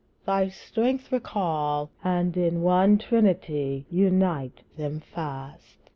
thy strength recall, And in one trinity unite them fast.